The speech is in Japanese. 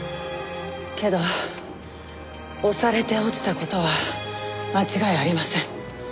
けど押されて落ちた事は間違いありません。